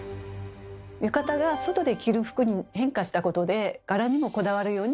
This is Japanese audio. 浴衣が「外で着る服」に変化したことで柄にもこだわるようになりました。